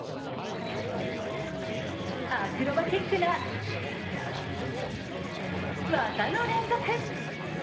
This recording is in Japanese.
アクロバティックな技の連続。